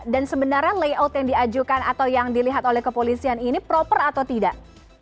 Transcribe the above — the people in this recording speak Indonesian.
dan sebenarnya layout yang diajukan atau yang dilihat oleh kepolisian ini proper atau tidak